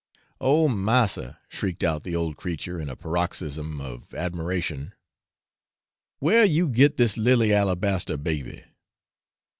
'Oh massa!' shrieked out the old creature in a paroxysm of admiration, 'where you get this lilly alablaster baby!'